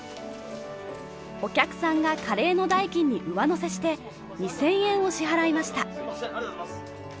お客さんがカレーの代金に上乗せして２０００円を支払いました。